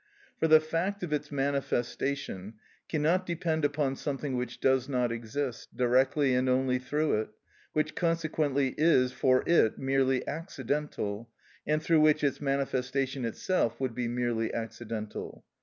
For the fact of its manifestation cannot depend upon something which does not exist directly and only through it, which consequently is for it merely accidental, and through which its manifestation itself would be merely accidental.